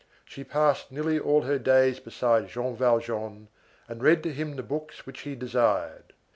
She passed nearly all her days beside Jean Valjean and read to him the books which he desired.